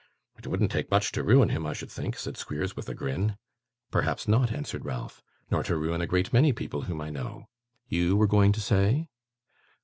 'It wouldn't take much to ruin him, I should think,' said Squeers, with a grin. 'Perhaps not,' answered Ralph. 'Nor to ruin a great many people whom I know. You were going to say